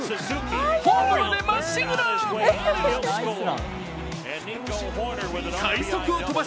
ホームまでまっしぐら。